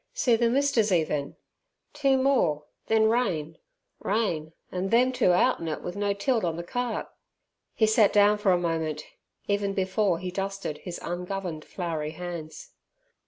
See th' mist t's even! Two more, then rain rain, an' them two out in it without no tilt on the cart." He sat down for a moment, even before he dusted his ungoverned floury hands.